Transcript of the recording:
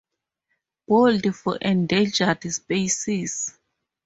Bold for endangered species.